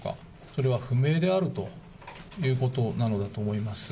それは不明であるということなのだと思います。